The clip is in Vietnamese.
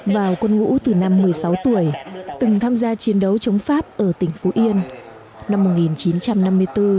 vào quân ngũ từ năm một mươi sáu tuổi từng tham gia chiến đấu chống pháp ở tỉnh phú yên năm một nghìn chín trăm năm mươi bốn